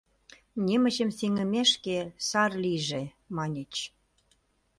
«Немычым сеҥымешке, сар лийже», — маньыч.